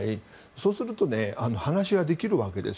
そうすると話ができるわけです。